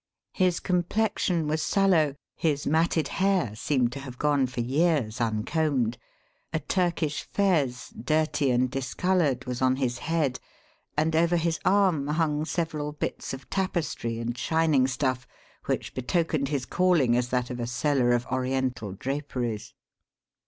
His complexion was sallow, his matted hair seemed to have gone for years uncombed; a Turkish fez, dirty and discoloured, was on his head, and over his arm hung several bits of tapestry and shining stuff which betokened his calling as that of a seller of Oriental draperies.